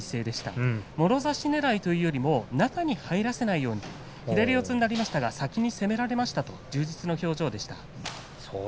もろ差しねらいというよりも中に入らせないように左四つになりましたが先に攻められましたと充実の表情でした。